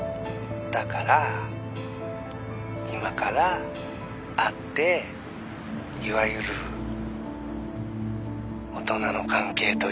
「だから今から会っていわゆる大人の関係というか」